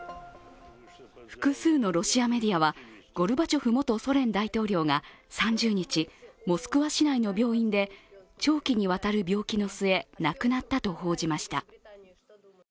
複数のロシアメディアは、ゴルバチョフ元ソ連大統領が３０日、モスクワ市内の病院で長期にわたる病気の末、亡くなったと報じました。